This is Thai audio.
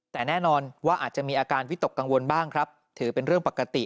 แต่แน่นอนว่าอาจจะมีอาการวิตกกังวลบ้างครับถือเป็นเรื่องปกติ